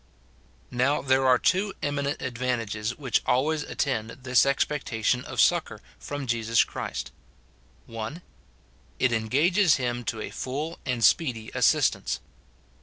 Now, there are two eminent advantages which always attend this expectation of succour from Jesus Christ :— [1.] It engages him to a full and speedy assistance.